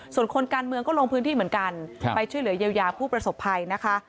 ส่วนคนการเมืองก็ลงพื้นที่เหมือนกันไปช่วยเหลือเยียวยาผู้ประสบภัยนะคะ